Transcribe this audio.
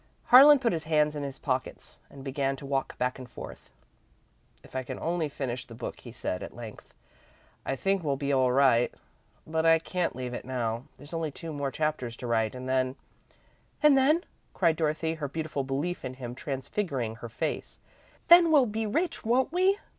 Harlan put his hands in his pockets and began to walk back and forth. "If I can only finish the book," he said, at length, "I think we'll be all right, but I can't leave it now. There's only two more chapters to write, and then " "And then," cried Dorothy, her beautiful belief in him transfiguring her face, "then we'll be rich, won't we?"